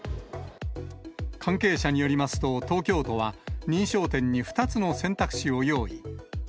関係者によりますと、東京都は、認証店に２つの選択肢を用意。